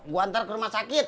gue antar ke rumah sakit